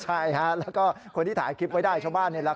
ใช่ฮะแล้วก็คนที่ถ่ายคลิปไว้ได้ชาวบ้านนี่แหละ